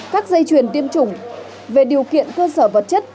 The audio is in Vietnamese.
các dây chuyền tiêm chủng về điều kiện cơ sở vật chất